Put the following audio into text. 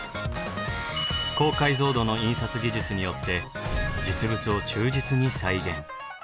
高解像度の印刷技術によって実物を忠実に再現。